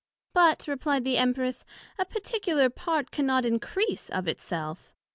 But repli'd the Empress, A particular part cannot increase of it self.